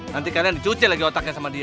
nanti kalian dicuci lagi otaknya sama dia